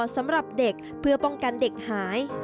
สำหรับเด็กเพื่อป้องกันเด็กหาย